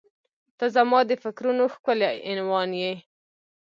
• ته زما د فکرونو ښکلی عنوان یې.